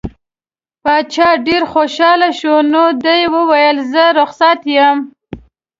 باچا ډېر خوشحاله شو نو ده وویل زه رخصت یم.